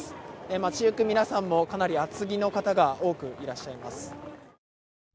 街行く皆さんも、かなり厚着の皆さんが多くいらっしゃいます。